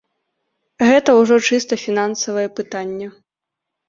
Гэта ўжо чыста фінансавае пытанне.